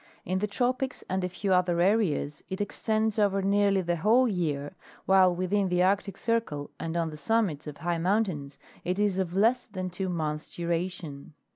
In the tropics and a few other areas it extends over nearly the whole year, while within the Arctic circle and on the summits of high mountains it is of less than two months' dura Geographic Distribution of Life. 231 tion.